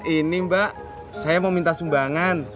ini mbak saya mau minta sumbangan